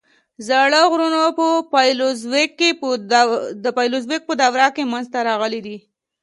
زاړه غرونه په پالیوزویک په دوره کې منځته راغلي دي.